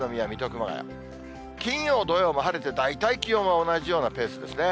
金曜、土曜も晴れて大体気温は同じようなペースですね。